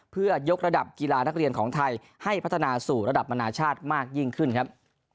เพื่อยกระดับกีฬานักเรียนของไทยให้พัฒนาสู่ระดับมนาชาติมากยิ่งขึ้นครับ